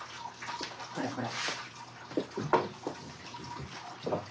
これこれ。